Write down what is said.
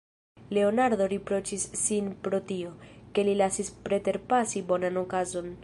Leonardo riproĉis sin pro tio, ke li lasis preterpasi bonan okazon.